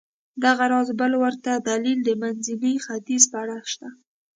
دغه راز بل ورته دلیل د منځني ختیځ په اړه شته.